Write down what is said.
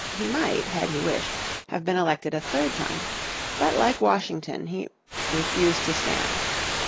He might, had he wished, have been elected a third time. But like Washington he refused he refused to stand.